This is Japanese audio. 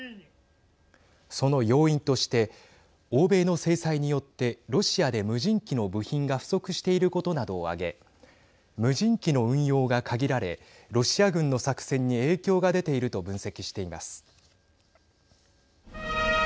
その要因として欧米の制裁によってロシアで無人機の部品が不足していることなどを挙げ無人機の運用が限られロシア軍の作戦に影響が出ていると分析しています。